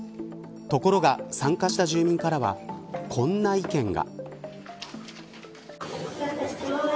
ところが、参加した住民からはこんな意見が。